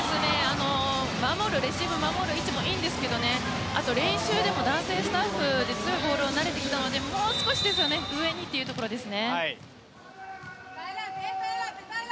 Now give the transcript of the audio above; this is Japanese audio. レシーブを守る位置もいいですが練習でも男性スタッフの強いボールに慣れていたのでもう少し上にというところです。